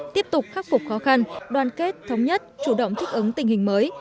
tiếp tục khắc phục khó khăn đoàn kết thống nhất chủ động thích ứng tình hình mới